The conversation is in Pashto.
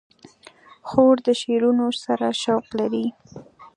خور د شعرونو سره شوق لري.